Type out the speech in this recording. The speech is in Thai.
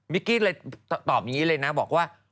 กี้เลยตอบอย่างนี้เลยนะบอกว่า